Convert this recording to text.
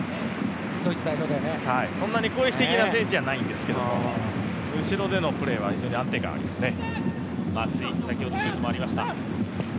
そんなに攻撃的な選手じゃないんですけど後ろでのプレーは非常に安定感ありますね。